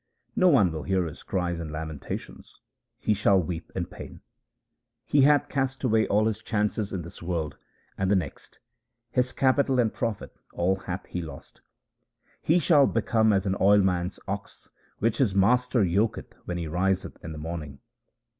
No one will hear his cries and lamentations ; he shall weep in pain. He hath cast away all his chances in this world and the next ; his capital and profit, all hath he lost. He shall become as an oilman's ox which his master yoketh when he riseth in the morning.